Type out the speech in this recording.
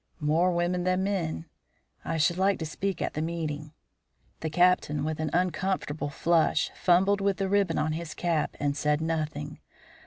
"More women than men." "I should like to speak at the meeting." The Captain, with an uncomfortable flush, fumbled with the ribbon on his cap, and said nothing.